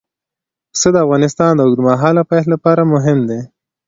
پسه د افغانستان د اوږدمهاله پایښت لپاره مهم دی.